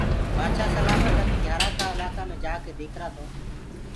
بآدشآه سلآمت هميٚنٚ گھيآرآنٚ ڪآ الآڪآ مي جآڪي ديکرآ تو